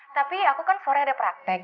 tapi aku kan forei ada praktek